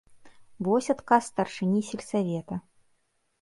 Вось адказ старшыні сельсавета.